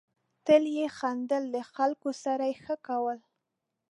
تل به یې خندل ، د خلکو سره یې ښه کول.